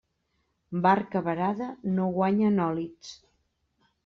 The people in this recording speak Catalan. Barca varada no guanya nòlits.